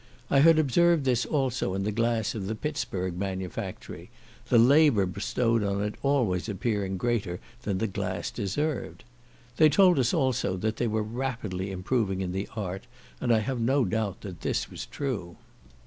I had observed this also in the glass of the Pittsburgh manufactory, the labour bestowed on it always appearing greater than the glass deserved. They told us also, that they were rapidly improving in the art, and I have no doubt that this was true.